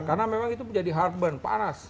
karena memang itu menjadi heartburn panas